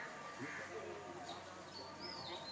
Ivo Kříž.